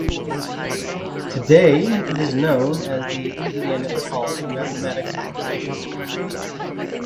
Today it is known as The Indiana College Mathematics Competition.